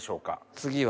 次は。